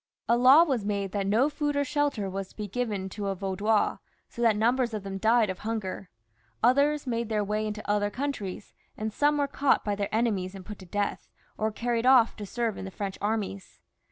A law was made that no food or shelter was to be given to a Vaudois, so that numbers of them died of hunger, others made their way into other coimtries, and some were caught by their enemies and put to death, or carried off to serve in the French armies.